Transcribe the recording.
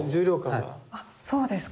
あそうですか。